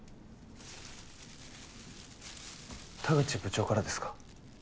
田口部長からですか。